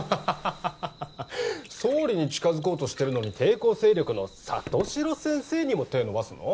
ハハハハ総理に近づこうとしてるのに抵抗勢力の里城先生にも手伸ばすの？